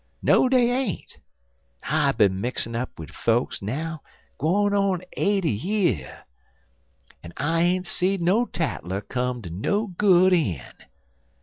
No, dey ain't. I bin mixin' up wid fokes now gwine on eighty year, en I ain't seed no tattler come ter no good een'.